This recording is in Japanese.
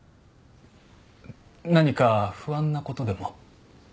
何か不安な事でも？